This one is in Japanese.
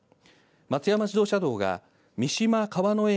松山自動車道が、三島川之江